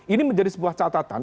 ini menjadi sebuah catatan